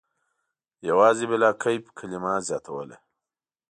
یوازې «بلاکیف» کلمه زیاتوله.